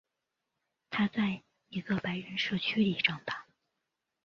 他在一个白人社区里长大。